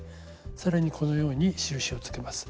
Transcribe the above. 更にこのように印をつけます。